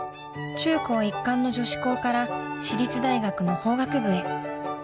［中高一貫の女子校から私立大学の法学部へ］